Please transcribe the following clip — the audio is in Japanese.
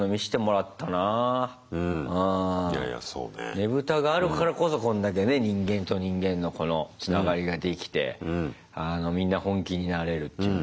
ねぶたがあるからこそこんだけね人間と人間のこのつながりができてみんな本気になれるっていうね。